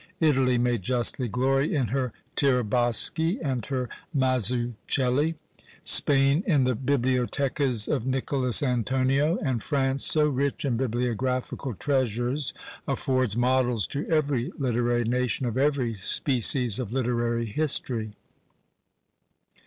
Italy may justly glory in her Tiraboschi and her Mazzuchelli; Spain in the Bibliothecas of Nicholas Antonio; and France, so rich in bibliographical treasures, affords models to every literary nation of every species of literary history.